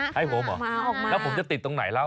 ให้ผมเหรอแล้วผมจะติดตรงไหนแล้ว